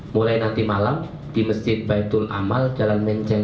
mulai nanti malam di masjid baitul amal jalan menjengu